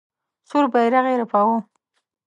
سور بیرغ یې رپاوه.